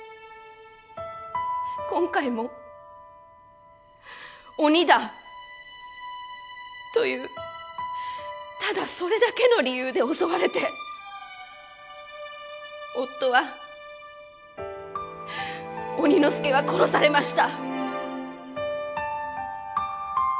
今回も鬼だというただそれだけの理由で襲われて夫は鬼ノ助は殺されました。